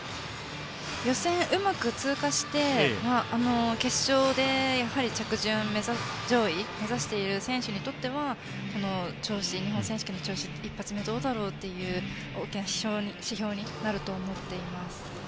予選をうまく通過して決勝で上位の着順を目指す選手にとっては日本選手権の調子っていうのは１発目、どうだろうという大きな指標になると思っています。